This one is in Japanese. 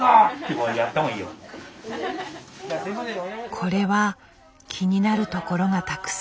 これは気になるところがたくさんある。